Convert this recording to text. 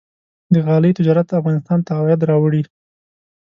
د غالۍ تجارت افغانستان ته عواید راوړي.